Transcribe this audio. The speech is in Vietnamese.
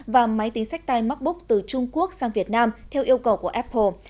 và máy tính sách tay macbook từ trung quốc sang việt nam theo yêu cầu của apple